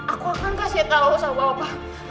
aku akan kasih tahu sama bapak